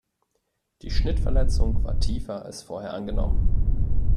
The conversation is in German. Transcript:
Die Schnittverletzung war tiefer als vorher angenommen.